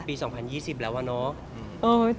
ปี๒๐๒๐แล้วอ่าเนาะ